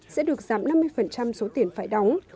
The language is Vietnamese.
sẽ được giảm năm mươi số tiền phải đóng